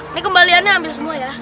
ini kembaliannya hampir semua ya